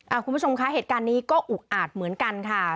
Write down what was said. คุณผู้ชมคะเหตุการณ์นี้ก็อุกอาจเหมือนกันค่ะ